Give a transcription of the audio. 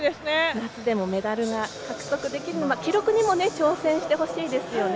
夏でもメダルが獲得できる記録にも挑戦してもらいたいですね。